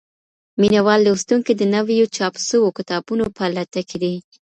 مينه وال لوستونکي د نويو چاپ سوو کتابونو په لټه کي دي.